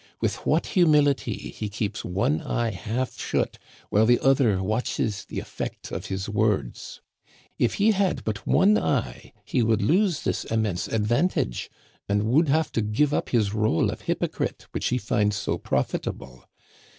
With what humility he keeps one eye half shut while the other watches the effect of his words. If he had but one eye he would lose this immense ad% Digitized by VjOOQIC LA CORRIVEAU. Al vantage, and would have to give up his rôle of hypocrite which' he finds so profitable.